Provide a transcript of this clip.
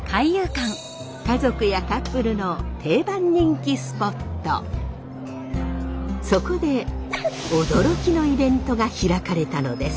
家族やカップルのそこで驚きのイベントが開かれたのです。